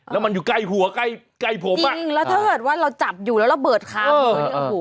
แล้วมันอยู่ใกล้หัวใกล้ผมจริงแล้วถ้าเกิดว่าเราจับอยู่แล้วเราเบิดคาม